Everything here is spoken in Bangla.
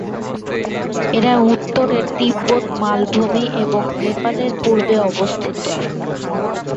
এর উত্তরে তিব্বত মালভূমি এবং নেপাল এর পূর্বে অবস্থিত।